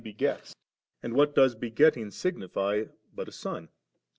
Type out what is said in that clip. begets; and what does begetting signify but a Son